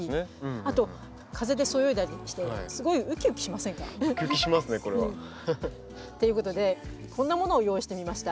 あと風でそよいだりしてすごいウキウキしませんか？ということでこんなものを用意してみました。